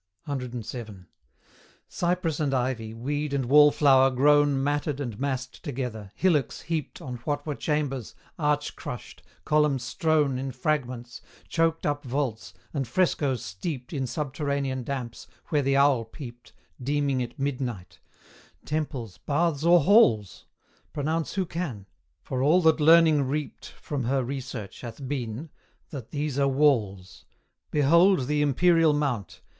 CVII. Cypress and ivy, weed and wallflower grown Matted and massed together, hillocks heaped On what were chambers, arch crushed, column strown In fragments, choked up vaults, and frescoes steeped In subterranean damps, where the owl peeped, Deeming it midnight: Temples, baths, or halls? Pronounce who can; for all that Learning reaped From her research hath been, that these are walls Behold the Imperial Mount!